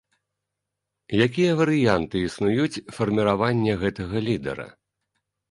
Якія варыянты існуюць фарміравання гэтага лідара?